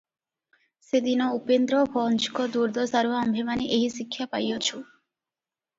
ସେଦିନ ଉପେନ୍ଦ୍ରଭଞ୍ଜଙ୍କ ଦୁର୍ଦ୍ଦଶାରୁ ଆମ୍ଭେମାନେ ଏହି ଶିକ୍ଷା ପାଇଅଛୁ ।